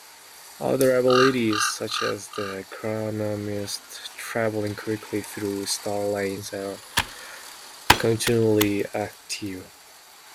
Other abilities, such as the Chronomyst traveling quickly through star lanes, are continually active.